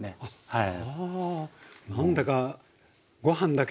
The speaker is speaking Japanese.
はい。